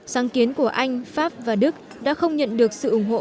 sáng kiến của anh pháp và đức đã không nhận được sự ủng hộ